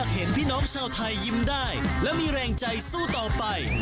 เห็นพี่น้องชาวไทยยิ้มได้และมีแรงใจสู้ต่อไป